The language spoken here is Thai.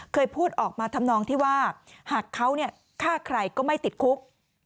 เคยพูดออกมาทำนองที่ว่าหากเขาฆ่าใครก็ไม่ติดคุก